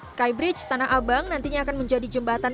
sky bridge tanah abang nantinya akan menjadi jembatan